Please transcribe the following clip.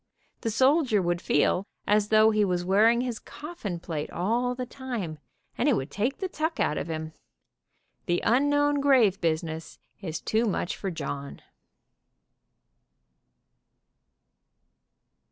The soldier would feel as though he was wearing his coffin plate all the time, and it would take the tuck out of him. The unknown grave business is too much for John."